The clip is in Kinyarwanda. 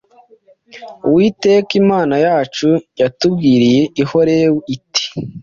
Uwiteka Imana yacu yatubwiriye i Horebu iti: